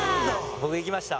僕行きました。